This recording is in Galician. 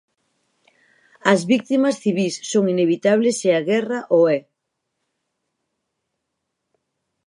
As vítimas civís son inevitables se a guerra o é.